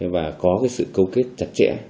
và có cái sự cấu kết chặt chẽ